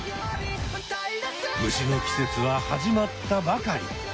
虫の季節は始まったばかり！